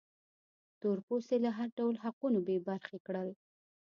تور پوستي له هر ډول حقونو بې برخې کړل.